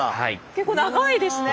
結構長いですね。